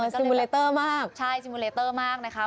ซิมูเลเตอร์มากใช่ซิมูเลเตอร์มากนะคะ